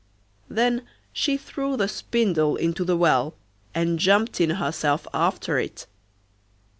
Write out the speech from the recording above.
Then she threw the spindle into the well, and jumped in herself after it.